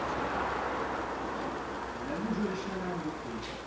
Paolo a Francesca se ztrácejí ve víru druhého kruhu.